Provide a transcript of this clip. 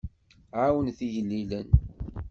Ɛawnent igellilen.